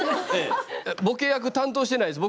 ボケ役担当してないです。